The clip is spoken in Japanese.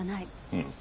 うん。